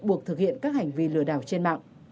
buộc thực hiện các hành vi lừa đảo trên mạng